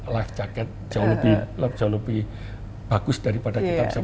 life jacket jauh lebih bagus daripada kita bisa berenang